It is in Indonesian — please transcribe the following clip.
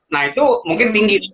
nah itu mungkin tinggi